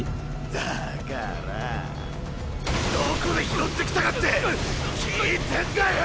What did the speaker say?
だからどこで拾ってきたかって聞いてんだよ‼